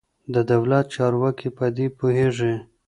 د دولت چارواکي په دې پوهېږي.